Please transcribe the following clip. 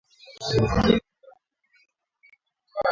Ilizindua matangazo ya moja kwa moja